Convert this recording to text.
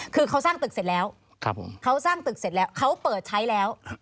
คือเขาสร้างตึกเสร็จแล้วเขาเปิดใช้แล้ว